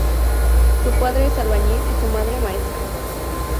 Su padre es albañil y su madre maestra.